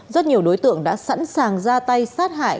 rất nhiều đối tượng đã sẵn sàng ra tay sát hại